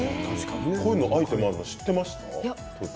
こういうアイテムあるの知っていました？